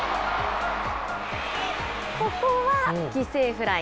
ここは犠牲フライ。